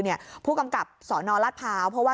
เนี่ยผู้กำกับสอนอลลาตภาวเพราะว่า